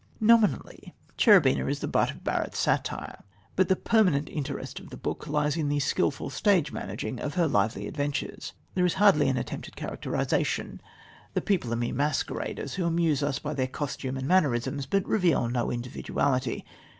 Nominally Cherubina is the butt of Barrett's satire, but the permanent interest of the book lies in the skilful stage managing of her lively adventures. There is hardly an attempt at characterisation. The people are mere masqueraders, who amuse us by their costume and mannerisms, but reveal no individuality.